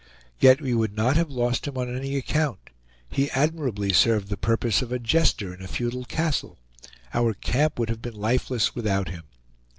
Yet we would not have lost him on any account; he admirably served the purpose of a jester in a feudal castle; our camp would have been lifeless without him.